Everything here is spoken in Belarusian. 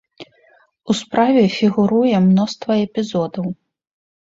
У справе фігуруе мноства эпізодаў.